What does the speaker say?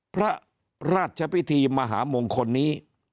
พระราชพิธีมหามงคลนี้